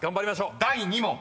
第２問］